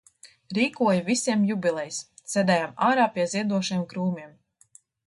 Rīkoju visiem jubilejas, sēdējām ārā pie ziedošiem krūmiem.